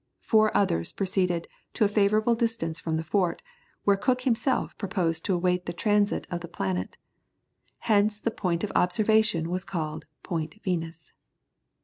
Four others proceeded to a favourable distance from the fort, where Cook himself proposed to await the transit of the planet. Hence the point of observation was called Point Venus.